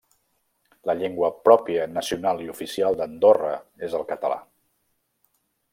La llengua pròpia, nacional i oficial d'Andorra és el català.